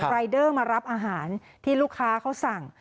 รายเดอร์มารับอาหารที่ลูกค้าเขาสั่ง